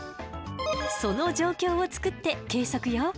その状況を作って計測よ。